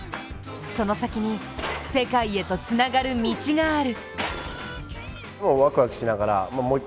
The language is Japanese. その先に、世界へとつながる道がある。